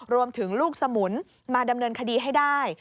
รวมถึงลูกสมุนมาดำเนินคดีให้ได้